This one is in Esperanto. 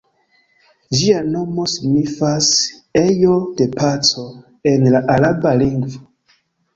Ĝia nomo signifas "ejo de paco" en la araba lingvo.